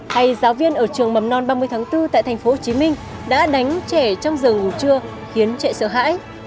hay giáo viên ở trường mầm non ba mươi tháng bốn tại tp hcm đã đánh trẻ trong giờ ngủ trưa khiến trẻ sợ hãi